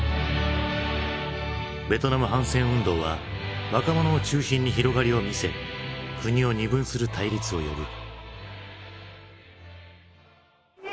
ベトナム反戦運動は若者を中心に広がりを見せ国を二分する対立を呼ぶ。